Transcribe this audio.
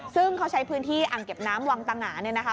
ซึ่งเขาใช้พื้นที่อ่างเก็บน้ำวังตะหงาเนี่ยนะคะ